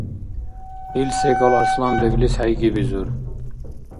Ил секӀал Арсланбеглис хӀейгибизур